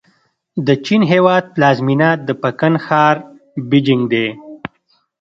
د چین هېواد پلازمېنه د پکن ښار بیجینګ دی.